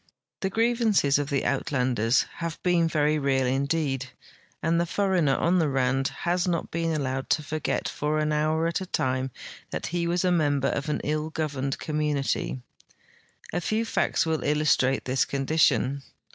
The grievances of the Uitlanders have been very real indeed, and the foreigner on the Rand has not been alloAved to forget for an hour at a time that he Avas a member of an ill governed com munity. A feAV facts Avill illustrate this condition.